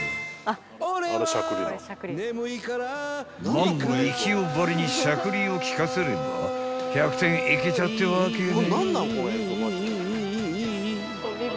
［萬みきおばりにしゃくりをきかせれば１００点いけちゃうってわけね］